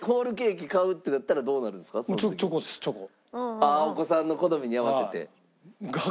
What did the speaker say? ああお子さんの好みに合わせて。